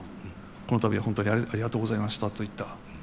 この度は本当にありがとうございましたといった。